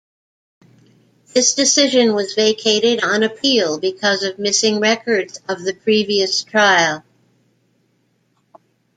This decision was vacated on appeal because of missing records of the previous trial.